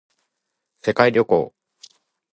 世界旅行